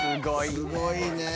すごいねぇ。